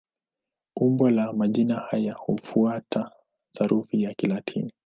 Umbo la majina haya hufuata sarufi ya Kilatini.